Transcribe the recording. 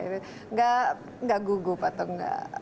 nggak gugup atau nggak